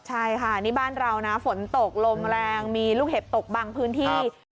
ใช่ค่ะนี่บ้านเรานะฝนตกลมแรงมีลูกเห็บตกบางพื้นที่